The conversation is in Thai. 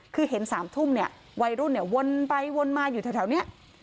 คือเห็น๓ทุ่มเนี่ยวัยรุ่นเนี่ยวนไปวนมาอยู่แถวนี้